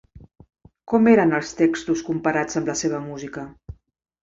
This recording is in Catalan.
Com eren els textos comparats amb la seva música?